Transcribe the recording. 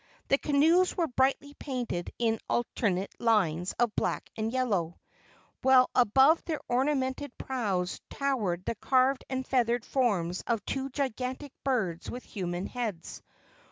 The canoes were brightly painted in alternate lines of black and yellow, while above their ornamented prows towered the carved and feathered forms of two gigantic birds with human heads.